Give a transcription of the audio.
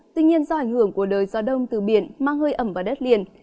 tuy nhiên do ảnh hưởng của đời gió đông từ biển mang hơi ẩm vào đất liền